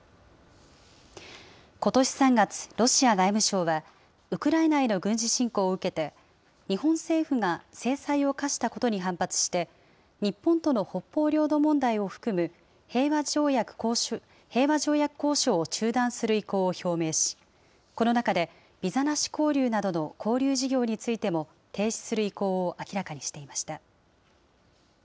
ことし３月、ロシア外務省は、ウクライナへの軍事侵攻を受けて、日本政府が制裁を科したことに反発して、日本との北方領土問題を含む平和条約交渉を中断する意向を表明し、この中で、ビザなし交流などの交流事業についても停止する意向を明らかにしていました。